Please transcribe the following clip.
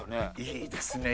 いいですね。